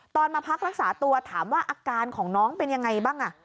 มาพักรักษาตัวถามว่าอาการของน้องเป็นยังไงบ้าง